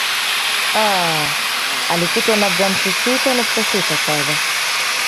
aa alikutwa na grams sita nukta sita saba